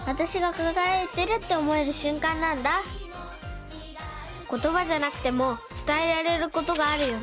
ことばじゃなくてもつたえられることがあるよね